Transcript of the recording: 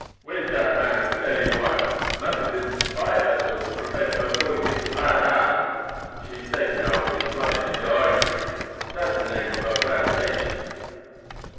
When dat man sell him wife Massa Vincent buy her so as to prevent her falling into bad hands. She safe now wid his mother at de Orangery dat's the name of her plantation."